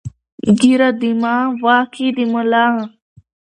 ـ ږيره دما، واک يې د ملا.